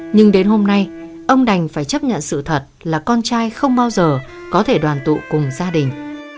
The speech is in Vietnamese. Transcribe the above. nhưng đến hôm nay ông đành phải chấp nhận sự thật là con trai không bao giờ có thể đoàn tụ cùng gia đình